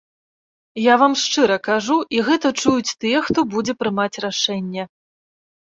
Я вам шчыра кажу, і гэта чуюць тыя, хто будзе прымаць рашэнне.